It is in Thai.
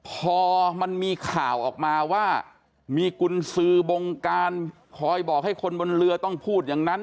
พอมันมีข่าวออกมาว่ามีกุญสือบงการคอยบอกให้คนบนเรือต้องพูดอย่างนั้น